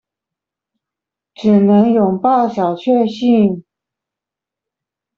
只能擁抱小卻幸